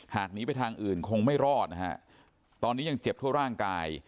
หนีไปทางอื่นคงไม่รอดนะฮะตอนนี้ยังเจ็บทั่วร่างกาย